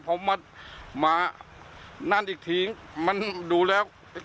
พอมาอีกทีมันดูแล้ว